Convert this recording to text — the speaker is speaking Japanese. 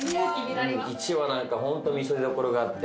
１話なんかホント見せどころがあって。